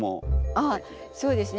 あっそうですね。